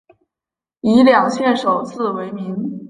以两县首字为名。